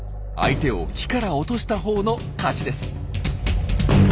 相手を木から落としたほうの勝ちです。